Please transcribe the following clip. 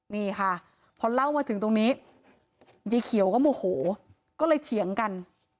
นี่ค่ะพอเล่ามาถึงตรงนี้ยายเขียวก็โมโหก็เลยเถียงกัน